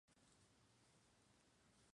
Está cruzada por el Meu.